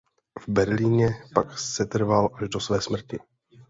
V Berlíně pak setrval až do své smrti.